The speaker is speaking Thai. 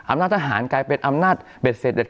อำนาจทหารเป็นอำนาจเบ็ดเสร็จ